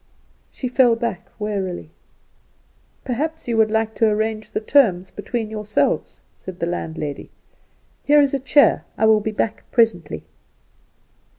She fell back wearily. "Perhaps you would like to arrange the terms between yourselves," said the landlady. "Here is a chair. I will be back presently."